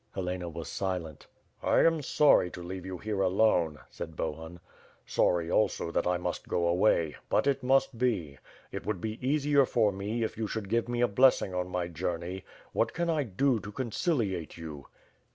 Helena was silent. "I am sorry to leave you here alone," said Bohun, "sorry, also, that I must go away; but it must be. It would be easier for me if you should give me a blessing on my journey. What can I do to conciliate you?"